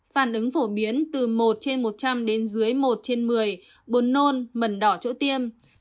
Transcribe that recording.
phản ứng phổ biến từ một trên một trăm linh đến dưới một trên một mươi bồn nôn mần đỏ chỗ tiêm